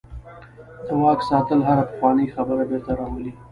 د واک ساتل هره پخوانۍ خبره بیرته راولي.